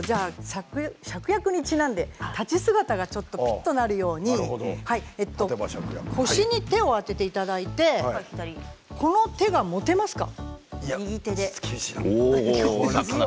シャクヤクにちなんで立ち姿がピッとなるように腰に手を当てていただいてこの手が持てますか。